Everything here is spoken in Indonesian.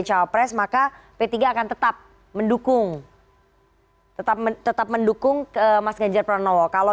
topres maka p tiga akan tetap mendukung tetap men tetap mendukung ke masganjar pranowo kalau